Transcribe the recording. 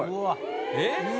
えっ？